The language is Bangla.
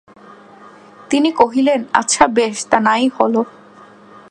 তিনি কহিলেন, আচ্ছা বেশ, তা নাই হল।